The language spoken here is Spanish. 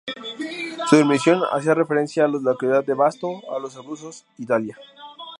Su denominación hace referencia a la localidad de Vasto, en los Abruzos, Italia.